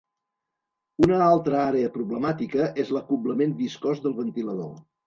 Una altra àrea problemàtica és l'acoblament viscós del ventilador.